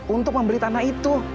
untuk membeli tanah itu